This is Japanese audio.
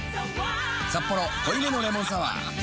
「サッポロ濃いめのレモンサワー」リニューアル